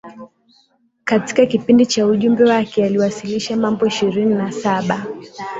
Katika kipindi cha ujumbe wake aliwasilisha mambo ishirini na Saba